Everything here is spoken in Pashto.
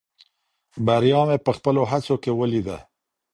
بریا مې په خپلو هڅو کې ولیده.